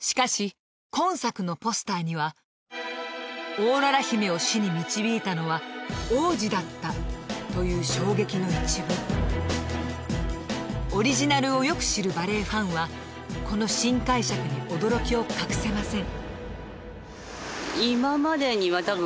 しかし今作のポスターには「オーロラ姫を死に導いたのは、王子だった」という衝撃の一文オリジナルをよく知るバレエファンはこの新解釈に驚きを隠せません